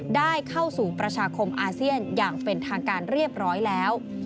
ได้เข้าสู่ประชาคมอาเซียนอย่างเป็นทางการเรียบร้อยแล้ว